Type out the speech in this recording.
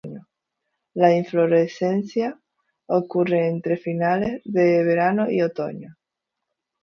La inflorescencia ocurre entre finales del verano y otoño.